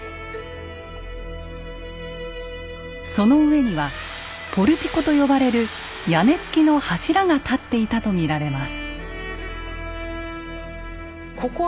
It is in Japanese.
その上には「ポルティコ」と呼ばれる屋根付きの柱が立っていたと見られます。